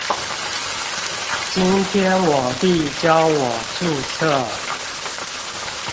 今天我弟教我註冊